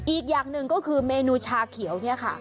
อีกอย่างหนึ่งก็คือเมนูชาเขียวเนี่ยค่ะ